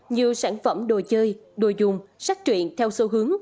nhiều sản phẩm đồ chơi đồ dùng sách truyện theo xu hướng